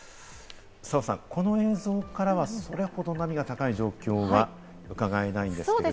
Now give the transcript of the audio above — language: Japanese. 澤さん、この映像からは、それほど波が高い状況はうかがえないんですけれども。